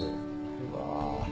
うわ。